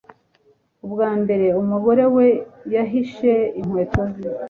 ubwa mbere umugore we yahishe inkweto ze